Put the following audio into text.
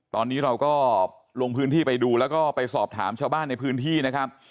ตอนนี้เราก็ลงพื้นที่ไปดูแล้วก็ไปสอบถามชาวบ้านในพื้นที่นะครับ